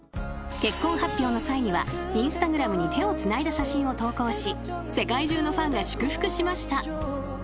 ［結婚発表の際にはＩｎｓｔａｇｒａｍに手をつないだ写真を投稿し世界中のファンが祝福しました］